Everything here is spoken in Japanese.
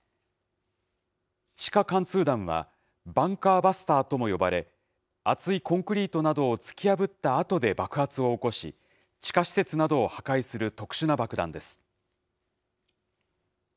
地下貫通弾は、バンカーバスターとも呼ばれ、厚いコンクリートなどを突き破ったあとで爆発を起こし、地下施設などを破壊する特殊な爆弾です。